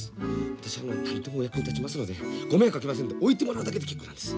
私あの何でもお役に立ちますのでご迷惑かけませんので置いてもらうだけで結構なんです。